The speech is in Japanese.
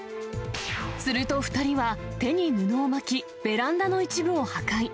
すると２人は、手に布を巻き、ベランダの一部を破壊。